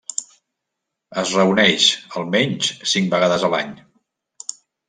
Es reuneix, almenys cinc vegades a l'any.